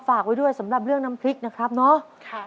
ฝากไว้ด้วยสำหรับเรื่องน้ำพริกนะครับเนาะ